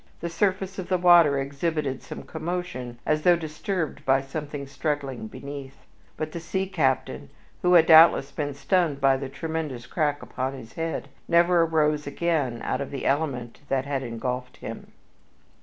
The surface of the water exhibited some commotion, as though disturbed by something struggling beneath; but the sea captain, who had doubtless been stunned by the tremendous crack upon his head, never arose again out of the element that had engulfed him.